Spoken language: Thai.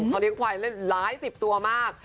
เขาเลี้ยงควายเล่นหลายสิบตัวมาก